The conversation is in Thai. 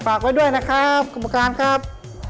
ฝากไว้ด้วยนะครับกรรมการครับ